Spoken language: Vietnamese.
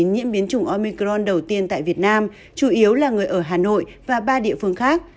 bệnh nhân covid một mươi chín nhiễm biến chủng omicron đầu tiên tại việt nam chủ yếu là người ở hà nội và ba địa phương khác